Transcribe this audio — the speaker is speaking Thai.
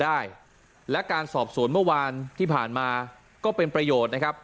ได้และการสอบสวนเมื่อวานที่ผ่านมาก็เป็นประโยชน์นะครับ